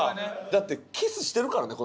だってキスしてるからね